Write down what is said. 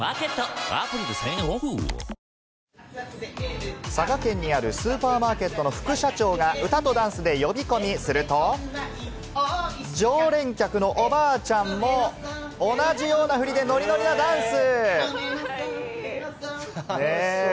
わかるぞ佐賀県にあるスーパーマーケットの副社長が歌とダンスで呼び込みすると、常連客のおばあちゃんも同じようなフリでノリノリなダンス！